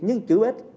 nhưng chữa hết